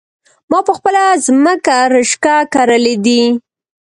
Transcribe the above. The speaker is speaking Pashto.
ما په خپله ځمکه رشکه کرلي دي